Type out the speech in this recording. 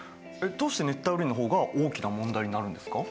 どうして熱帯雨林のほうが大きな問題になるんですか？